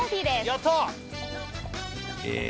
やった！え